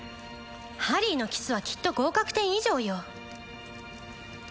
ハリーのキスはきっと合格点以上よ